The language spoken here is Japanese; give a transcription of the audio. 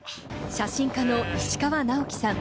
写真家の石川直樹さん。